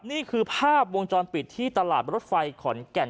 นี่คือภาพวงจรปิดที่ตลาดรถไฟขอนแก่น